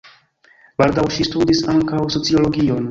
Baldaŭ ŝi studis ankaŭ sociologion.